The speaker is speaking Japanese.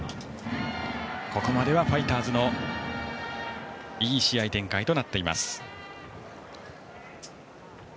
ここまではファイターズのいい試合展開です。